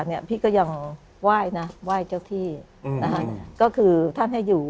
เนี่ยพี่ก็ยังไหว้นะไหว้เจ้าที่อืมนะฮะก็คือท่านให้อยู่